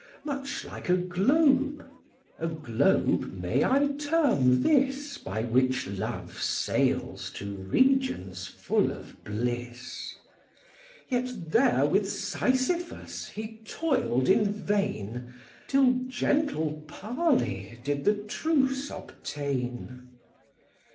Much like a globe (a globe may I term this, By which Love sails to regions full of bliss,) Yet there with Sisyphus he toil'd in vain, Till gentle parley did the truce obtain.